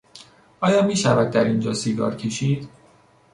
آیا میشود در این جا سیگار کشید؟